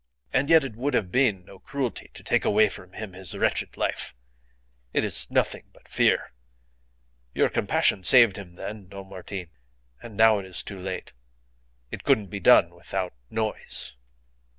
And yet it would have been no cruelty to take away from him his wretched life. It is nothing but fear. Your compassion saved him then, Don Martin, and now it is too late. It couldn't be done without noise."